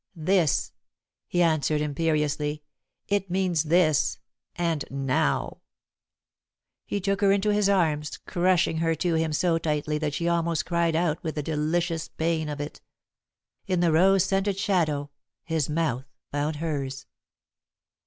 "This," he answered, imperiously. "It means this and now!" He took her into his arms, crushing her to him so tightly that she almost cried out with the delicious pain of it. In the rose scented shadow, his mouth found hers.